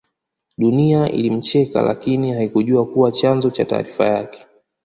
Dunia ilimcheka lakini haikujjua kuwa chanzo cha taarifa yake